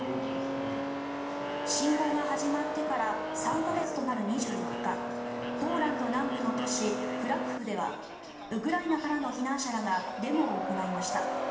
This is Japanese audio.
侵攻が始まってから３か月となる２４日ポーランド南部の都市クラクフではウクライナからの避難者らがデモを行いました。